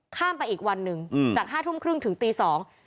ข้ามไปอีกวันหนึ่งอืมจากห้าทุ่มครึ่งถึงตีสอง